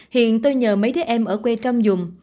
hiện tôi nhờ mấy đứa em ở quê trong dùm